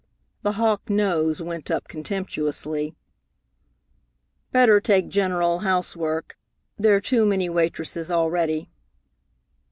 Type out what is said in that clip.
The hawk nose went up contemptuously. "Better take general housework. There are too many waitresses already."